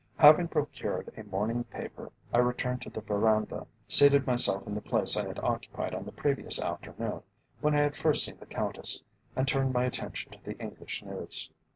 Having procured a morning paper, I returned to the verandah, seated myself in the place I had occupied on the previous afternoon, when I had first seen the Countess, and turned my attention to the English news.